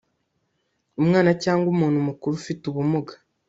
umwana cyangwa umuntu mukuru ufite ubumuga